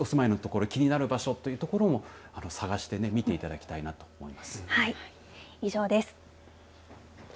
自分でお住まいの所気になる場所というところも探してみていただきたいなはい。